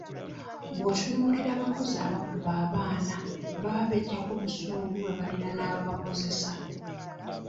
Bw'otunuulira abakozi abakuba abaana baba beggyako busungu bwe balina n'ababakozesa.